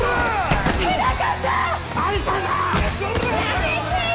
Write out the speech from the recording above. やめてよ！